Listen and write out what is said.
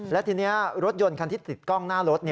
และทีนี้รถยนต์คันที่ติดกล้องหน้ารถ